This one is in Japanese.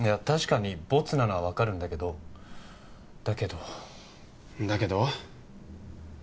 確かにボツなのは分かるんだけどだけどだけど？